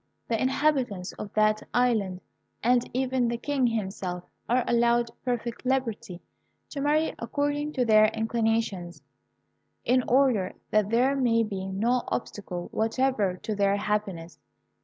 The inhabitants of that island, and even the King himself, are allowed perfect liberty to marry according to their inclinations, in order that there may be no obstacle whatever to their happiness.